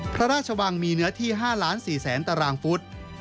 พระราชวังมีเนื้อที่๕๔๐๐๐ตารางฟุต